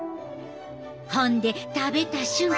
ほんで食べた瞬間